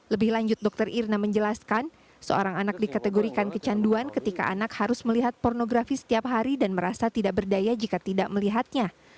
lebih lanjut dokter irna menjelaskan seorang anak dikategorikan kecanduan ketika anak harus melihat pornografi setiap hari dan merasa tidak berdaya jika tidak melihatnya